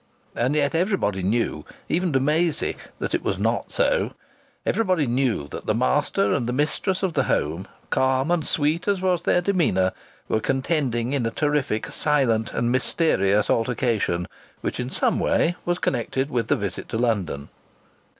And yet everybody knew even to Maisie that it was not so; everybody knew that the master and the mistress of the home, calm and sweet as was their demeanour, were contending in a terrific silent and mysterious altercation, which in some way was connected with the visit to London.